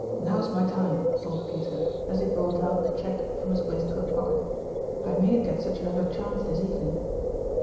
" Now's my time !" thought Peter, as he brought out the cheque from his waistcoat pocket. " I mayn't get such another chance this evening."